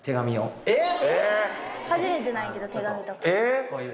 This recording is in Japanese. えっ！